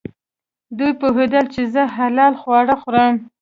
دوی پوهېدل چې زه حلال خواړه خورم.